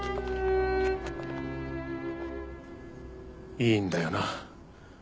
いいんだよな？